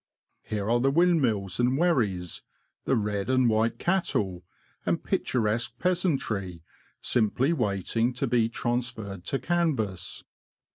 Here are the windmills and wherries, the red and white cattle, and picturesque peasantry, simply waiting to be transferred to canvas.